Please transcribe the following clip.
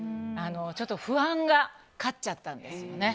ちょっと不安が勝っちゃったんです。